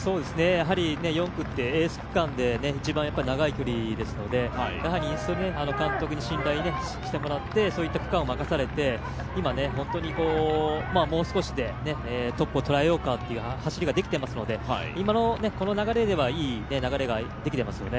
４区ってエース区間で一番長い距離ですので監督に信頼してもらって、そういった区間を任されてもう少しでトップを捉えようかという走りができていますので今、いい流れができていますよね。